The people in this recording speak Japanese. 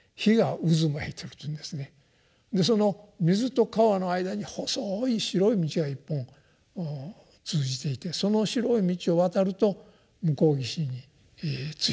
その水と川の間に細い白い道が一本通じていてその白い道を渡ると向こう岸に着いてですね